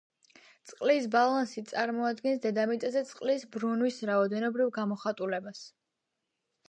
წყლის ბალანსი წარმოადგენს დედამიწაზე წყლის ბრუნვის რაოდენობრივ გამოხატულებას.